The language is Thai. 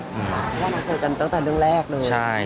อเรนนี่ว่านักศึกษ์กันตั้งแต่เรื่องแรกเลย